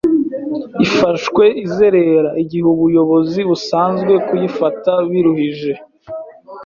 Ifashwe izerera, igihe ubuyobozi busanze kuyifata biruhije